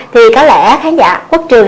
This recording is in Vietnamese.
thì có lẽ khán giả quốc trường